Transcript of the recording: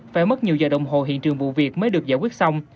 phải mất nhiều giờ đồng hồ hiện trường vụ việc mới được giải quyết xong